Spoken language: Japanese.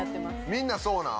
みんなそうなん？